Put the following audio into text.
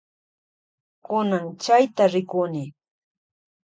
Kunan chayta rikuni.